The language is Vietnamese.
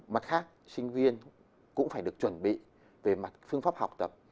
mặt khác sinh viên cũng phải được chuẩn bị về mặt phương pháp học tập